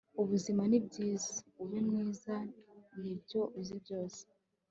ubuzima nibyiza .. ube mwiza nibyo uzi byose